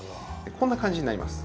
こんな感じになります。